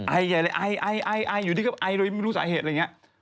ไอใหญ่เลยไอไอไออยู่ที่ก็ไอโดยไม่รู้สาเหตุอะไรอย่างนี้